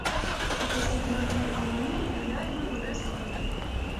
Ուտեստի բնօրինակ անվանումը թարգմանվում է, որպես ավանակ։